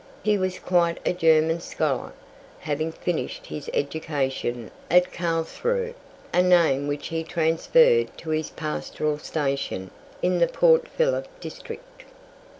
He was quite a German scholar, having finished his education at Carlsruhe, a name which he transferred to his pastoral station in the Port Phillip District.